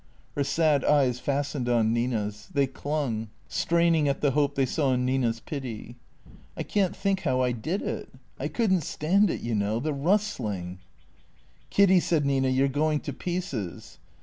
Her sad eyes fastened on Nina's; they clung, straining at the hope they saw in Nina's pity. " I can't think how I did it. I could n't stand it, you know — the rustling." " Kiddy," said Nina, " you 're going to pieces."